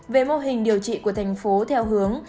về mô hình điều trị của thành phố theo hướng